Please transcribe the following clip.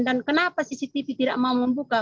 dan kenapa cctv tidak mau membuka